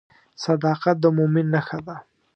صداقت د مؤمن نښه ده.